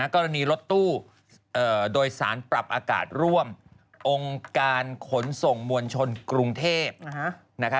กรณีรถตู้โดยสารปรับอากาศร่วมองค์การขนส่งมวลชนกรุงเทพ